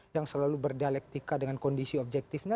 yang selalu berdialektika dengan kondisi objektifnya